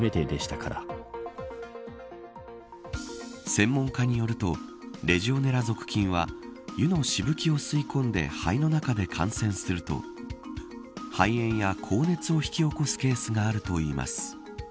専門家によるとレジオネラ属菌は湯のしぶきを吸い込んで肺の中で感染すると肺炎や高熱を引き起こすケースがあるといいます。